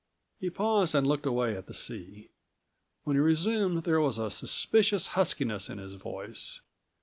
He paused and looked away at the sea. When he resumed there was a suspicious huskiness in his voice.